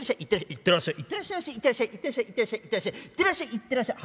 「行ってらっしゃい」。